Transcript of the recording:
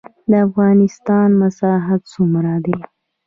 د افغانستان مساحت څومره دی؟